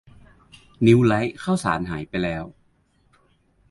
นิวไลท์ข้าวสารหายไปแล้ว